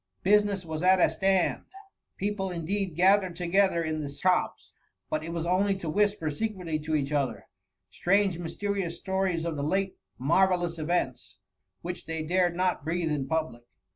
Business was at a stand : people indeed gathered together in the shops, but it was only to whisper secretly to each other, strange mysterious stories of the late marvellous events, which they dared not breathe in public.